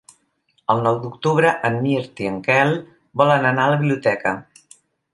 El nou d'octubre en Mirt i en Quel volen anar a la biblioteca.